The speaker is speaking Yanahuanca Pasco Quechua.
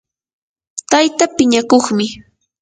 tayta piñakuqmi